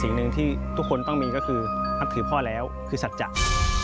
สิ่งหนึ่งที่ทุกคนต้องมีก็คือนับถือพ่อแล้วคือสัจจะ